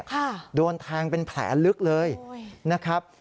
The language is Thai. ค่ะโดนแทงเป็นแผลลึกเลยนะครับ